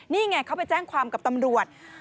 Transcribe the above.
นี่ไงเขาไปแจ้งความกับตำรวจ